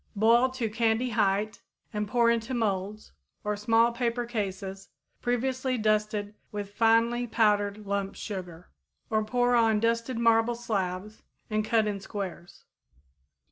Boil to candy height and pour into molds or small paper cases previously well dusted with finely powdered lump sugar, or pour on dusted marble slabs and cut in squares.